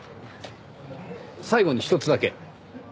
最後にひとつだけ。